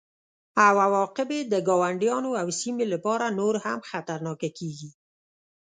او عواقب یې د ګاونډیانو او سیمې لپاره نور هم خطرناکه کیږي